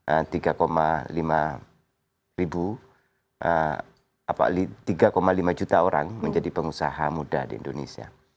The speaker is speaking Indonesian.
tiga lima ratus apa tiga lima ratus orang menjadi pengusaha muda di indonesia